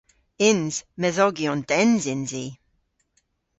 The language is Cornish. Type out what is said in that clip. Yns. Medhogyon dens yns i.